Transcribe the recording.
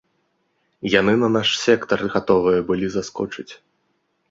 Яны на наш сектар гатовыя былі заскочыць.